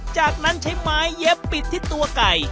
จากนั้นใช้ไม้เย็บปิดที่ตัวไก่